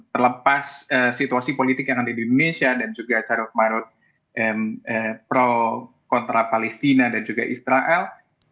terlepas situasi politik yang ada di indonesia dan juga carut marut pro kontra palestina dan juga israel